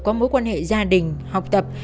có mối quan hệ gia đình học tập